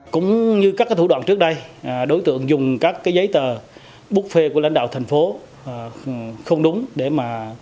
cũng như các thủ đoạn trước đây đối tượng dùng các cái giấy tờ bút phê của lãnh đạo thành phố không đúng để mà